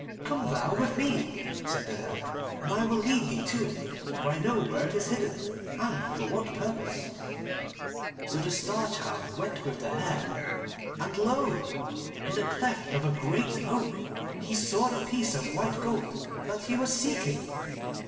'Come thou with me,' said the Hare, 'and I will lead thee to it, for I know where it is hidden, and for what purpose.' So the Star Child went with the Hare, and lo! in the cleft of a great oak tree he saw the piece of white gold that he was seeking.